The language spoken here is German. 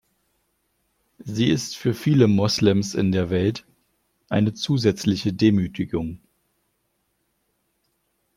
Sie ist für viele Moslems in der Welt eine zusätzliche Demütigung.